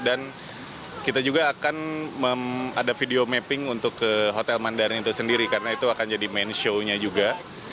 dan kita juga akan ada video mapping untuk hotel mandarin itu sendiri karena itu akan jadi main show nya juga